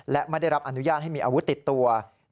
และไม่ได้รับอนุญาตให้มีอาวุธติดตัว